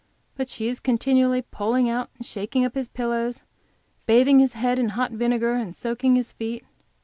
But she is continually pulling out and shaking up his pillows, bathing his head in hot vinegar and soaking his feet.